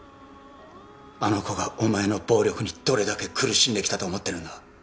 あの子がお前の暴力にどれだけ苦しんできたと思ってるんだ？